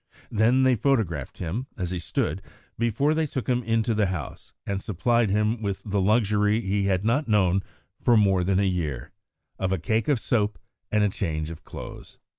Then they photographed him, as he stood, before they took him into the house and supplied him with the luxury he had not known for more than a year of a cake of soap and a change of clothes.